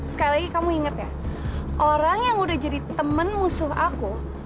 sekali lagi kamu inget ya orang yang udah jadi temen musuh aku